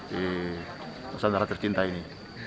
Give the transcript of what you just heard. di usaha darat tercinta ini